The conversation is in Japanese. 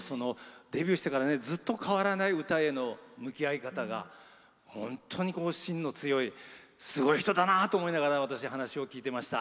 デビューしてからずっと変わらない歌への向き合い方が、本当に芯の強いすごい人だなと思いながら私、話を聞いてました。